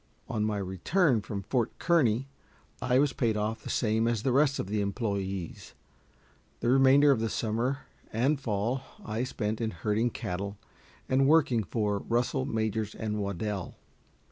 On my return from Fort Kearny I was paid off the same as the rest of the employés. The remainder of the summer and fall I spent in herding cattle and working for Russell, Majors & Waddell.